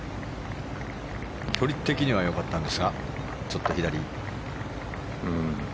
距離的には良かったんですがちょっと左。